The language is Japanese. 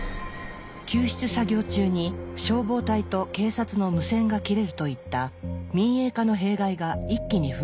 救出作業中に消防隊と警察の無線が切れるといった民営化の弊害が一気に噴出。